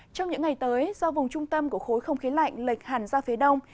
trong những ngày tới do vùng trung tâm của khối không khí lạnh lệch hẳn ra phía đông